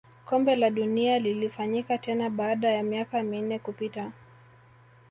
kombe la dunia lilifanyika tena baada ya miaka minne kupita